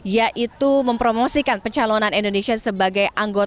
yaitu mempromosikan pencalonan indonesia sebagai anggota